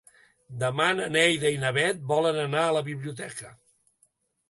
Demà na Neida i na Bet volen anar a la biblioteca.